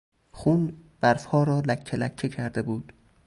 خون برفها را لکهلکه کرده بود.